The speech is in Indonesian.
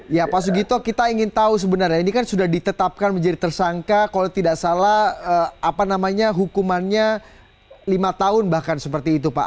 ya pak sugito kita ingin tahu sebenarnya ini kan sudah ditetapkan menjadi tersangka kalau tidak salah apa namanya hukumannya lima tahun bahkan seperti itu pak